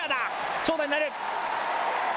長打になる。